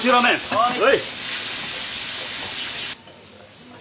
はい！